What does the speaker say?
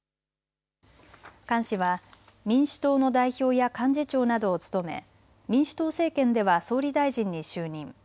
菅氏は民主党の代表や幹事長などを務め民主党政権では総理大臣に就任。